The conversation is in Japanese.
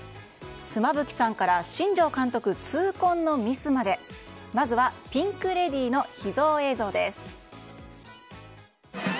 妻夫木さんから新庄監督痛恨のミスまでまずはピンク・レディーの秘蔵映像です。